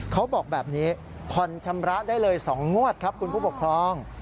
เขาบอกแบบนี้ผ่อนชำระได้เลย๒งวดครับคุณผู้ปกครอง